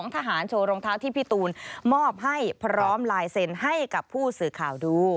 ทหารโชว์รองเท้าที่พี่ตูนมอบให้พร้อมลายเซ็นให้กับผู้สื่อข่าวดู